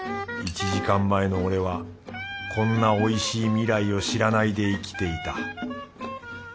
１時間前の俺はこんなおいしい未来を知らないで生きていた。